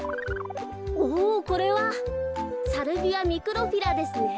おぉこれはサルビアミクロフィラですね。